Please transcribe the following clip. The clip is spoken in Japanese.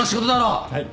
はい。